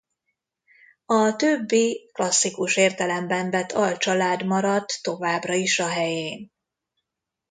A többi klasszikus értelemben vett alcsalád maradt továbbra is a helyén.